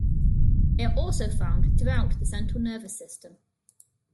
They are also found throughout the central nervous system.